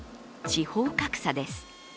地方格差です。